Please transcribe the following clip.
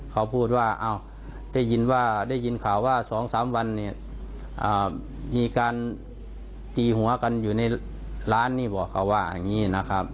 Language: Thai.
เขาพูดว่าได้ยินว่าได้ยินข่าวว่า๒๓วันเนี่ยมีการตีหัวกันอยู่ในร้านนี่บอกเขาว่าอย่างนี้นะครับ